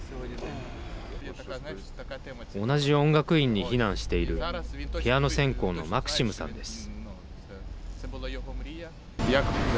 同じ音楽院に避難しているピアノ専攻のマクシムさんです。